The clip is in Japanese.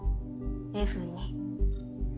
Ｆ２。